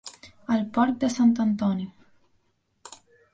El porc de sant Antoni.